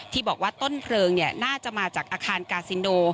ที่บอกว่าต้นเพลิงน่าจะมาจากอาคารกาซินโด